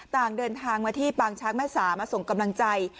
ต่างเดินทางมาที่ปางช้างแม่สามาส่งกำลังใจ